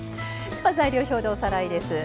材料表でおさらいです。